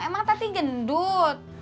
emang tati gendut